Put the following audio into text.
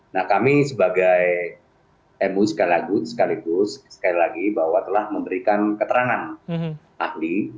nah kami sebagai mui sekaligus sekali lagi bahwa telah memberikan keterangan ahli